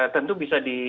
tentu bisa di